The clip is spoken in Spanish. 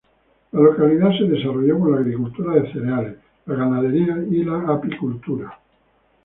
La localidad se desarrolló con la agricultura de cereales, la ganadería y la apicultura.